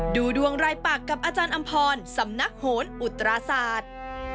ดูดวงรายปากกับอาจารย์อำพรสำนักโหนอุตราศาสตร์